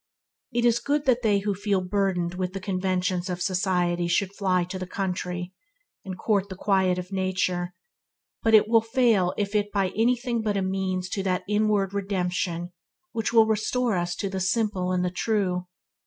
It is good that they who feel burdened with the conventions of society should fly to the country, and court the quiet of nature, but it will fail if it by anything but a means to that inward redemption which will restore us to the simple and the true.